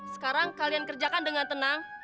sekarang kalian kerjakan dengan tenang